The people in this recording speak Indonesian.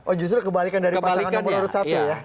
oh justru kebalikan dari pasangan nomor urut satu ya